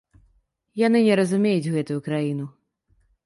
Яны не разумеюць гэтую краіну.